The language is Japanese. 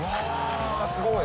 すごい。